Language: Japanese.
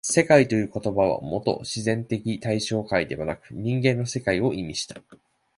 「世界」という言葉はもと自然的対象界でなく人間の世界を意味した。